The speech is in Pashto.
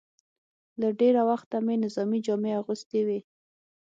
له ډېره وخته مې نظامي جامې اغوستې وې.